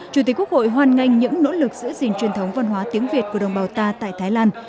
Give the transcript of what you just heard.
chủ tịch quốc hội hoan nghênh những nỗ lực giữ gìn truyền thống văn hóa tiếng việt của đồng bào ta tại thái lan